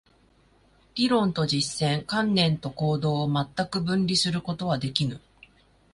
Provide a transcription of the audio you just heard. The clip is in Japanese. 理論と実践、観念と行動を全く分離することはできぬ。